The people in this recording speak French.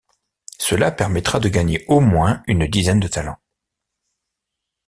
Cela permettra de gagner au moins une dizaine de talents.